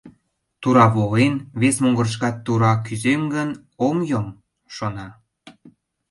«Тура волен, вес могырышкат тура кӱзем гын, ом йом», — шона.